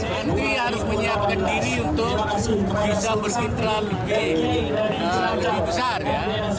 nanti harus menyiapkan diri untuk bisa berkitra lebih besar ya